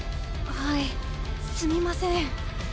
はいすみません。